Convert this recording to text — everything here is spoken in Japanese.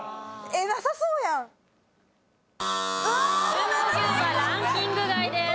豊後牛はランキング外です。